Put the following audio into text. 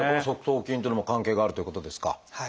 側頭筋っていうのも関係があるっていうことですか？